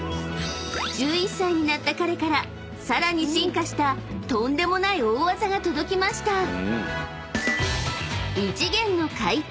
［１１歳になった彼からさらに進化したとんでもない大技が届きました］